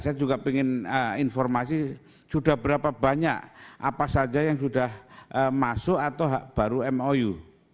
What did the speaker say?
saya juga ingin informasi sudah berapa banyak apa saja yang sudah masuk atau baru mou